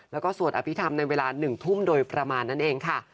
แล้วก็สวดอภิษฐรรมในเวลา๑ทุ่มโดยประมาณนั่นเองค่ะ